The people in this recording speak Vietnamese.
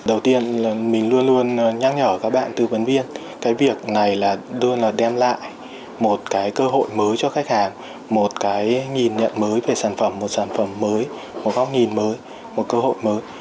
đầu tiên là mình luôn luôn nhắc nhở các bạn tư vấn viên cái việc này là đưa là đem lại một cái cơ hội mới cho khách hàng một cái nhìn nhận mới về sản phẩm một sản phẩm mới một góc nhìn mới một cơ hội mới